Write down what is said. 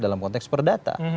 dalam konteks perdata